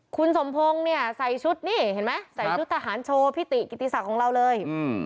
คุณสมพงศ์เนี่ยใส่ชุดนี่เห็นไหมใส่ชุดทหารโชว์พี่ติกิติศักดิ์ของเราเลย